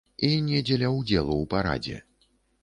І не дзеля ўдзелу ў парадзе.